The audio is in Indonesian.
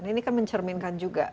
ini kan mencerminkan juga